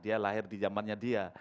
dia lahir di zamannya dia